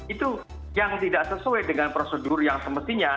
itu yang tidak sesuai dengan prosedur yang semestinya